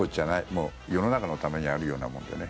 もう世の中のためにあるようなもんでね。